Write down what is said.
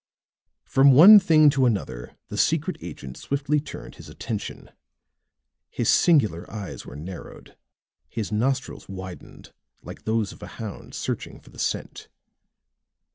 From one thing to another the secret agent swiftly turned his attention; his singular eyes were narrowed, his nostrils widened like those of a hound searching for the scent.